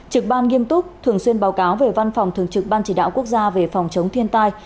trực ban nghiêm túc thường xuyên báo cáo về văn phòng thường trực ban chỉ đạo quốc gia về phòng chống thiên tai